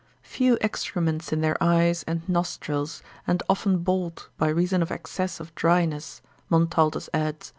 Few excrements in their eyes and nostrils, and often bald by reason of excess of dryness, Montaltus adds, c.